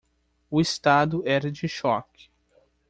O estado era de choque.